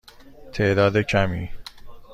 تعداد کمی.